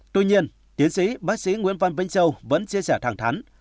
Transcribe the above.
tuy nhiên tiến sĩ bác sĩ nguyễn văn vĩnh châu vẫn chia sẻ thẳng thắn